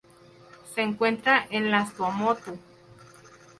Se encuentra en las Tuamotu.